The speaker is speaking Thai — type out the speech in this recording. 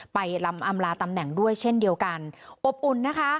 ไปลำอำลาตำแหน่งด้วยเช่นเดียวกันอบอุ่นนะคะ